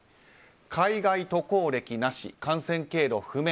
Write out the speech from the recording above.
海外渡航歴なし、感染経路不明